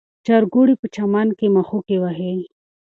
چرګوړي په چمن کې مښوکې وهي.